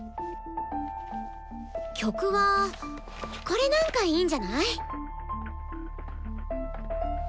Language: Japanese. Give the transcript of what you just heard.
曲はこれなんかいいんじゃない？